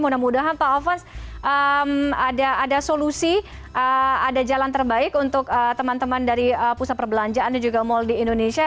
mudah mudahan pak alfons ada solusi ada jalan terbaik untuk teman teman dari pusat perbelanjaan dan juga mal di indonesia